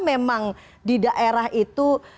memang di daerah itu